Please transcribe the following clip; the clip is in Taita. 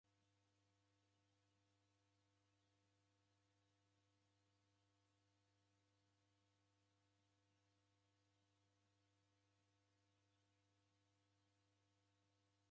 Aw'aw'ishoghonokie w'inekwagha w'urighiti.